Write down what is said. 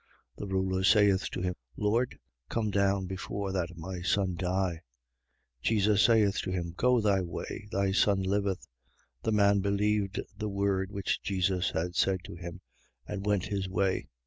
4:49. The ruler saith to him: Lord, come down before that my son die. 4:50. Jesus saith to him: Go thy way. Thy son liveth. The man believed the word which Jesus said to him and went his way.